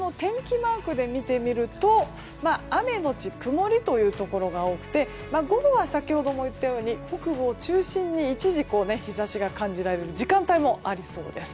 マークで見てみると雨後曇りというところが多くて午後は先ほども言ったとおり北部を中心に一時日差しが感じられる時間帯もありそうです。